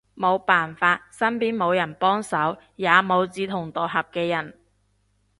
無辦法，身邊無人幫手，也無志同道合嘅人